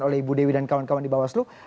oleh ibu dewi dan kawan kawan di bawaslu